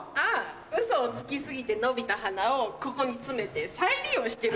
ウソをつき過ぎて伸びた鼻をここに詰めて再利用してるんだ。